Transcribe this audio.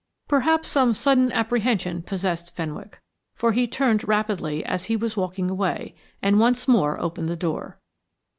Perhaps some sudden apprehension possessed Fenwick, for he turned rapidly as he was walking away and once more opened the door.